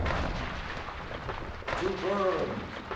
To Burns!